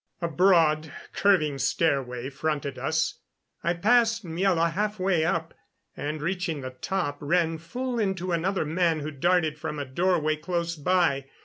A broad, curving stairway fronted us. I passed Miela halfway up, and, reaching the top, ran full into another man who darted from a doorway close by.